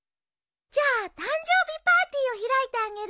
じゃあ誕生日パーティーを開いてあげるとか。